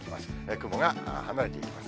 雲が離れていきます。